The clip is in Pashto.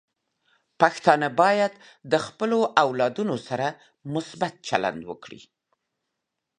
پښتانه بايد د خپلو اولادونو سره مثبت چلند وکړي.